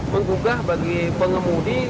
menggugah bagi pengemudi